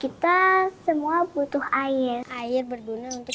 kita semua butuh air air berguna untuk